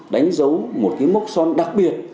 đánh dấu một cái mốc son đặc biệt